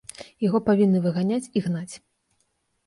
Яго павінны выганяць і гнаць.